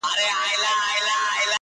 ستا په تندي كي گنډل سوي دي د وخت خوشحالۍ